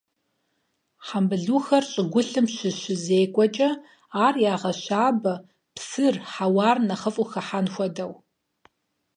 Хьэмбылухэр щӀыгулъым щыщызекӀуэкӀэ, ар ягъэщабэ, псыр, хьэуар нэхъыфӀу хыхьэн хуэдэу.